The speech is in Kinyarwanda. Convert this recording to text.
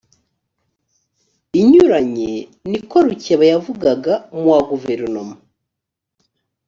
inyuranye ni ko rukeba yavugaga mu wa guverinoma